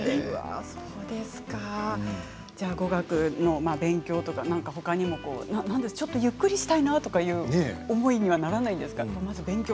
語学の勉強とか、ほかにもゆっくりしたいなという思いにはならないんですか。